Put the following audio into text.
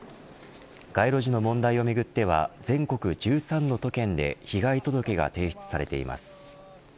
街路樹の問題をめぐっては全国１３の都県で被害届が提出されています。